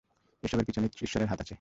এসবের পেছনে ইশ্বরের হাত আছে।